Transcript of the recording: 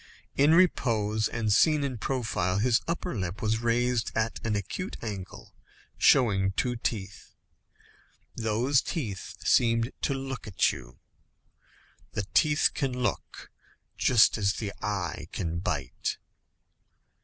In repose, and seen in profile, his upper lip was raised at an acute angle, showing two teeth. Those teeth seemed to look at you. The teeth can look, just as the eye can bite.